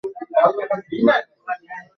উভয়েই দুই বিরাট পরীক্ষার মধ্য দিয়া চলিতেছে।